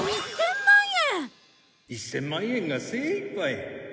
１０００万円が精いっぱい。